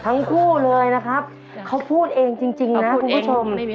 ทั้งคู่เลยนะครับเขาพูดเองจริงนะคุณผู้ชม